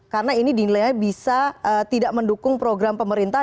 karena ini dinilainya bisa tidak mendukung program pemerintah